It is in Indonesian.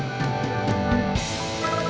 kamu kayak aneh muj difficulty sebelum jualannya